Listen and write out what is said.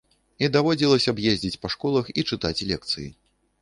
І даводзілася б ездзіць па школах і чытаць лекцыі.